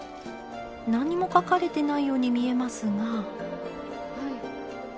何も書かれてないように見えますが。